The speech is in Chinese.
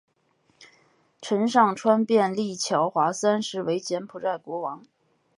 陈上川便立乔华三世为柬埔寨国王。